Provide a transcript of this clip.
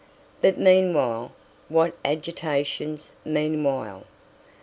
But meanwhile what agitations meanwhile!